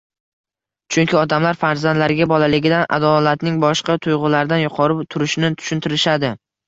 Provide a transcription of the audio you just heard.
Chunki odamlar farzandlariga bolaligidan, adolatning boshqa tuyg‘ulardan yuqori turishini tushuntirishadi.